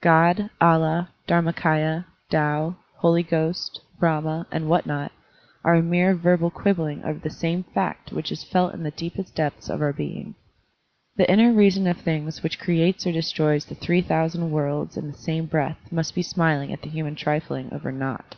God, Allah, DharmaMya, Tao, Holy Ghost, Brahma, and what not, are a mere verbal quib bling over the same fact which is felt in the deepest depths of our being. The inner reason of things which creates or destroys the three thousand worlds in the same breath must be smiling at the human trifling over naught.